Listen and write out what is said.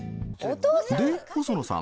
で細野さん